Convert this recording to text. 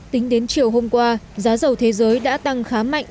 tính đến chiều hôm qua giá dầu thế giới đã tăng khá mạnh